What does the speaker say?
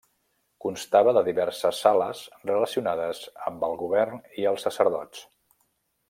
Constava de diverses sales relacionades amb el govern i els sacerdots.